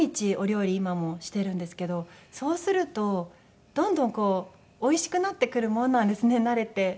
今もしてるんですけどそうするとどんどんこうおいしくなってくるものなんですね慣れて。